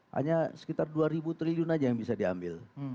hanya sekitar dua triliun aja yang bisa diambil